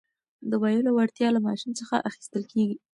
د ویلو وړتیا له ماشوم څخه اخیستل کېږي.